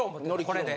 これで。